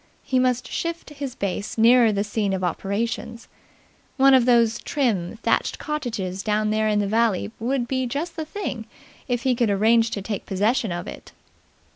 He must shift his base nearer the scene of operations. One of those trim, thatched cottages down there in the valley would be just the thing, if he could arrange to take possession of it.